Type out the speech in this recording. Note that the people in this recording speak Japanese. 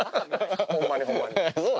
ホンマにホンマに。